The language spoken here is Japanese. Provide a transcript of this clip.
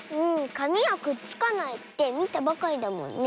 かみはくっつかないってみたばかりだもんね。